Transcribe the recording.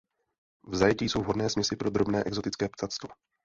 V zajetí jsou vhodné směsi pro drobné exotické ptactvo.